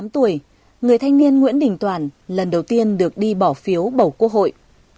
một mươi tám tuổi người thanh niên nguyễn đình toàn lần đầu tiên được đi bỏ phiếu bầu quốc hội